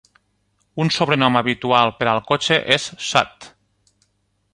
Un sobrenom habitual per al cotxe és "Sud".